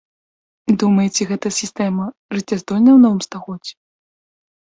Думаеце гэтая сістэма жыццяздольная ў новым стагоддзі?